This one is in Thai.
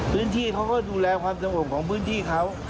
พื้นที่เค้าก็ดูแลความสมมุติของพื้นที่เค้า